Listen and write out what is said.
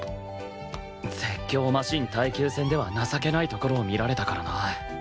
絶叫マシン耐久戦では情けないところを見られたからな